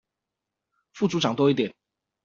副組長多一點